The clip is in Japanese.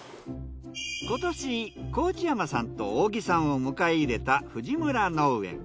今年河内山さんと大木さんを迎え入れた藤村農園。